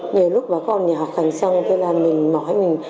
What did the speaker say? nhiều lúc vào con nhà họ khẳng xong thế là mình mỏi